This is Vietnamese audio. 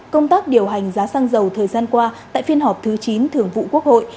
công tác điều hành giá xăng dầu thời gian qua tại phiên họp thứ chín thường vụ quốc hội